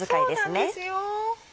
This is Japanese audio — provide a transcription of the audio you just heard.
そうなんですよ。